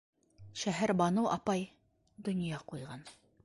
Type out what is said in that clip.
Шәһәрбаныу апай... донъя ҡуйған.